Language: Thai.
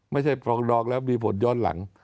ไม่ใช่ปรองดองแล้วมีผลย้อนหลัง